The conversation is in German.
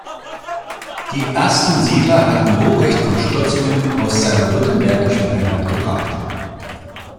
Die ersten Siedler hatte Ruprecht von Stotzingen aus seiner württembergischen Heimat gebracht.